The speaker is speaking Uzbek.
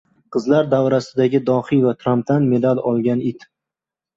Qizlar davrasidagi dohiy va Trampdan medal olgan it